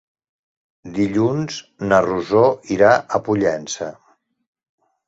Dilluns na Rosó irà a Pollença.